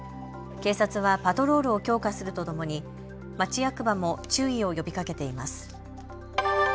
警察はパトロールを強化するとともに町役場も注意を呼びかけています。